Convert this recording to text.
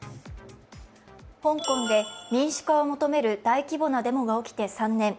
香港で民主化を求める大規模なデモが起きて３年。